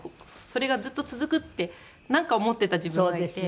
それがずっと続くってなんか思ってた自分がいて。